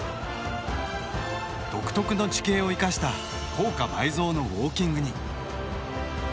独特の地形を生かした効果倍増のウオーキングに。